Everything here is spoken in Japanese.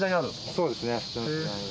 そうですね。